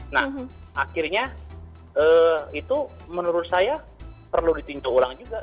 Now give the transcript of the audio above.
nah akhirnya itu menurut saya perlu ditinjau ulang juga